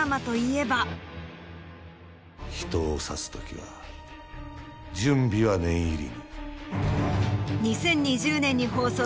人を刺すときは準備は念入りに。